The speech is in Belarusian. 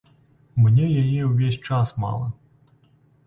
Мне яе ўвесь час мала.